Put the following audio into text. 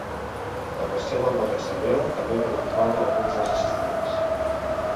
La qüestió del vot exterior també preocupava alguns dels assistents.